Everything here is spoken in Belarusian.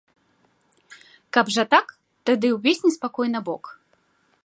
Каб жа так, тады ўвесь неспакой набок.